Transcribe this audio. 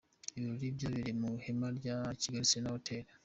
Ibirori byabereye mu ihema rya Kigali Serena Hotel.